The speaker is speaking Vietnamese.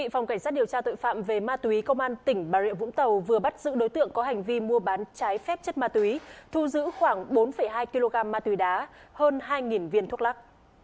phòng cảnh sát điều tra tội phạm về ma túy công an tỉnh bà rịa vũng tàu vừa bắt giữ đối tượng có hành vi mua bán trái phép chất ma túy thu giữ khoảng bốn hai kg ma túy đá hơn hai viên thuốc lắc